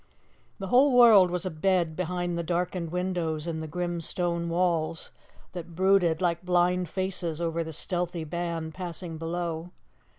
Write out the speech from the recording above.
The whole world was abed behind the darkened windows and the grim stone walls that brooded like blind faces over the stealthy band passing below.